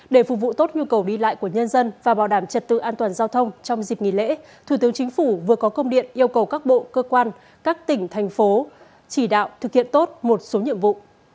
để phục vụ tốt nhu cầu đi lại của nhân dân và bảo đảm trật tự an toàn giao thông trong dịp nghỉ lễ thủ tướng chính phủ vừa có công điện yêu cầu các bộ cơ quan các tỉnh thành phố chỉ đạo thực hiện tốt một số nhiệm vụ